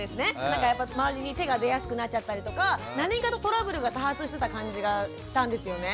なんかやっぱ周りに手が出やすくなっちゃったりとか何かとトラブルが多発してた感じがしたんですよね。